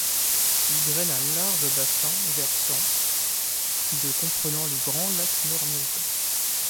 Il draine un large bassin versant de comprenant les Grands Lacs nord-américains.